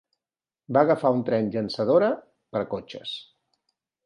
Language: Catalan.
Va agafar un tren llançadora per a cotxes.